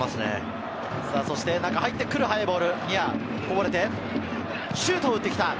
中入ってくる速いボール、ニア、こぼれてシュートを打ってきた。